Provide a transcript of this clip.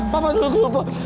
papa duduk dulu pak